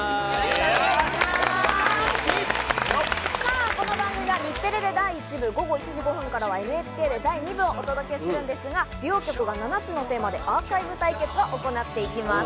ＭＣ、この番組は日テレで第１部、午後１時５分からはＮＨＫで第２部をお届けするんですが、両局が７つのテーマでアーカイブ対決を行っていきます。